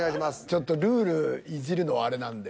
ちょっとルールイジるのあれなんで。